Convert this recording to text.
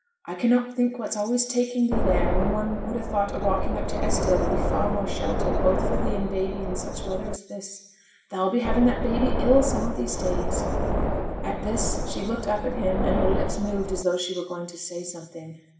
'I cannot think what's always taking thee there, when one would ha' thought a walk up to Esdale would be far more sheltered, both for thee and baby in such weather as this. Thou'll be having that baby ill some of these days.' At this, she looked up at him, and her lips moved as though she were going to say something.